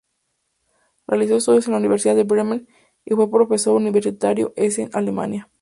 Realizó estudios en la Universidad de Bremen, y fue profesor universitario en Essen, Alemania.